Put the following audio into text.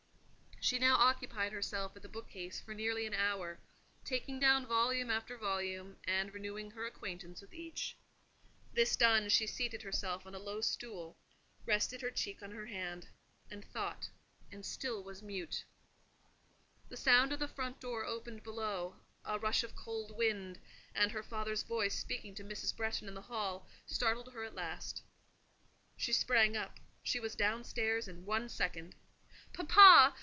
She now occupied herself at the bookcase for nearly an hour; taking down volume after volume, and renewing her acquaintance with each. This done, she seated herself on a low stool, rested her cheek on her hand, and thought, and still was mute. The sound of the front door opened below, a rush of cold wind, and her father's voice speaking to Mrs. Bretton in the hall, startled her at last. She sprang up: she was down stairs in one second. "Papa!